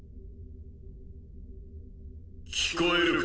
聞こえるか？